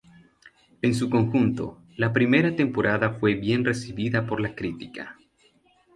En su conjunto, la primera temporada fue bien recibida por la crítica.